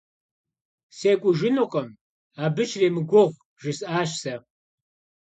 СекӀужынукъым, абы щремыгугъ! – жысӀащ сэ.